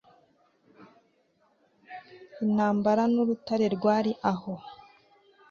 intambara n'urutare rwari aho